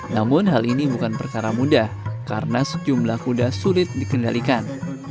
namun hal ini bukan perkara mudah karena sejumlah kuda sulit dikendalikan